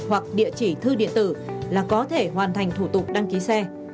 hoặc địa chỉ thư điện tử là có thể hoàn thành thủ tục đăng ký xe